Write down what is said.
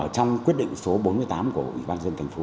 trong quyết định số bốn mươi tám của ủy ban dân thành phố